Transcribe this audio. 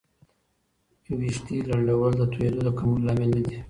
ویښتې لنډول د توېیدو د کمولو لامل نه دی.